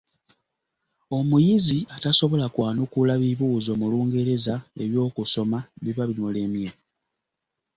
Omuyizi atasobola kwanukula bibuuzo mu Lungereza eby'okusoma biba bimulemye.